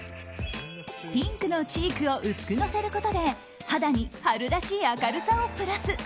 ピンクのチークを薄く乗せることで肌に春らしい明るさをプラス。